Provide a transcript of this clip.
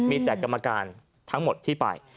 มีแต่กรรมการทั้งหมดที่ไป